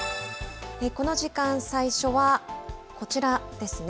この時間、最初はこちらですね。